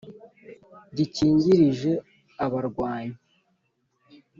gikingirije abarwanyi